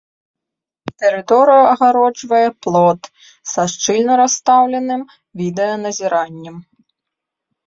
Тэрыторыю агароджвае плот са шчыльна расстаўленым відэаназіраннем.